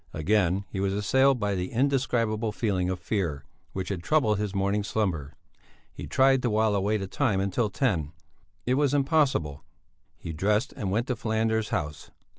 Again he was assailed by the indescribable feeling of fear which had troubled his morning slumber; he tried to while away the time until ten. It was impossible; he dressed and went to Falander's house.